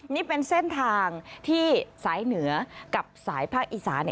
นี่เป็นเส้นทางที่สายเหนือกับสายภาคอีสาน